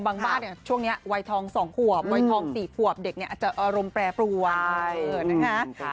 บ้านช่วงนี้วัยทอง๒ขวบวัยทอง๔ขวบเด็กเนี่ยอาจจะอารมณ์แปรปรวนนะคะ